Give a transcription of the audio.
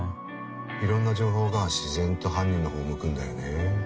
いろんな情報が自然と犯人の方を向くんだよね。